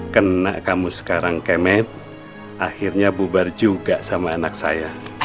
kena kamu sekarang kemet akhirnya bubar juga sama anak saya